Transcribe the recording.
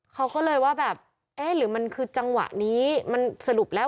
เขาก็เลยว่าแบบเอ๊ะหรือมันคือจังหวะนี้มันสรุปแล้ว